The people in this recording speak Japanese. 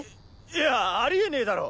いやありえねえだろ。